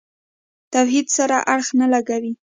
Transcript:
توحید سره اړخ نه لګوي.